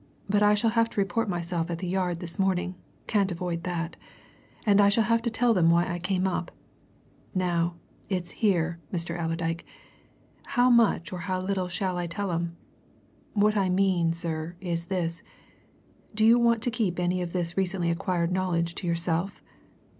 But I shall have to report myself at the Yard this morning can't avoid that. And I shall have to tell them why I came up. Now, it's here, Mr. Allerdyke how much or how little shall I tell 'em? What I mean sir, is this do you want to keep any of this recently acquired knowledge to yourself?